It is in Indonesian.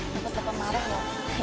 nanti ke pemaruh